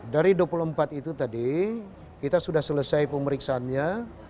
dari dua puluh empat itu tadi kita sudah selesai pemeriksaannya